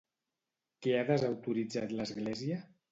Què ha desautoritzat l'Església?